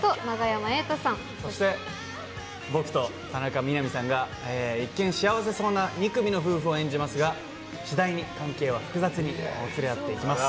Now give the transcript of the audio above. そして僕と田中みな実さんが一見幸せそうな２組の夫婦を演じますが次第に関係は複雑にもつれ合っていきます。